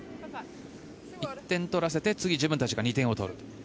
１点取らせて次、自分たちが２点取ると。